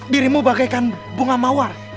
dirimu bagaikan bunga mawar